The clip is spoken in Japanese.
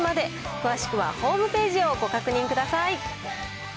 詳しくはホームページをご確認ください。